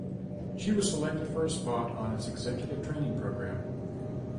She was selected for a spot in its executive-training program.